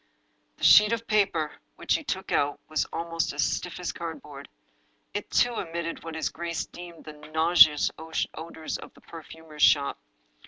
The sheet of paper which he took out was almost as stiff as cardboard. It, too, emitted what his grace deemed the nauseous odors of the perfumer's shop.